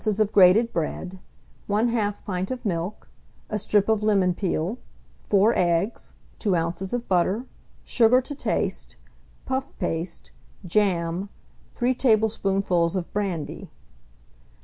of grated bread, 1/2 pint of milk, a strip of lemon peel, 4 eggs, 2 oz. of butter, sugar to taste, puff paste, jam, 3 tablespoonfuls of brandy.